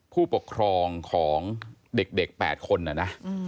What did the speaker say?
ผู้ปกครองของเด็ก๘คนนะนะ